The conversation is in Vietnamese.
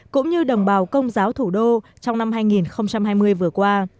cũng như đồng bào công giáo thủ đô trong năm hai nghìn hai mươi vừa qua